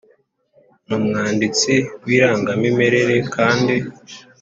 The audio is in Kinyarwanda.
N umwanditsi w irangamimerere kandi